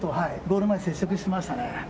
ゴール前接触しましたね。